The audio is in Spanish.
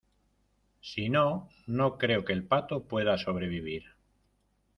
si no, no creo que el pato pueda sobrevivir